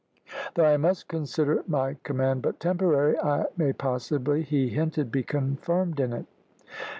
Though I must consider my command but temporary, I may possibly, he hinted, be confirmed in it."